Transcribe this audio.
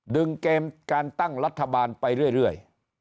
เกมการตั้งรัฐบาลไปเรื่อย